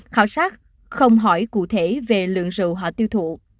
khảo sát không hỏi cụ thể về lượng dầu họ tiêu thụ